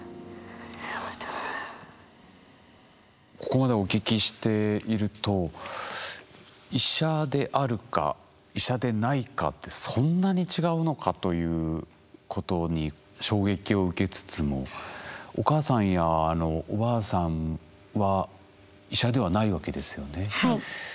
ここまでお聞きしていると医者であるか医者でないかってそんなに違うのかということに衝撃を受けつつもお母さんやおばあさんは医者ではないわけですよね？